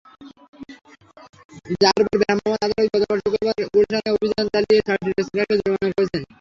র্যাবের ভ্রাম্যমাণ আদালত গতকাল শুক্রবার গুলশানে অভিযান চালিয়ে ছয়টি রেস্তোরাঁকে জরিমানা করেছেন।